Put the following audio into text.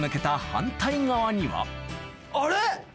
あれ⁉